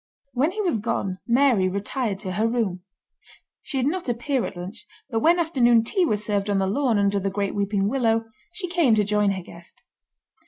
When he was gone Mary retired to her room. She did not appear at lunch, but when afternoon tea was served on the lawn under the great weeping willow, she came to join her guest.